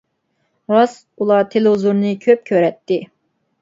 راست ئۇلار تېلېۋىزورنى كۆپ كۆرەتتى.